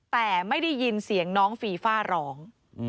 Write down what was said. แต่ไม่ได้ยินเสียงน้องฟีฟ่าร้อง